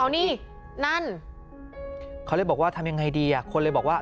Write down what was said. เขาเลยบอกว่าทำอย่างไรดีคนเลยบอกว่า